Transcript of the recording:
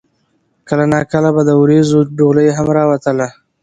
کله نا کله به د وريځو ډولۍ هم راوتله